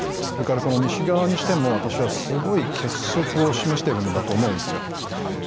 それから西側にしても私はすごい結束を示してるんだと思うんですよ。